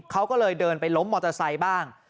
เขาก็เลยเดินไปล้มมอเตอร์ไซค์บ้าง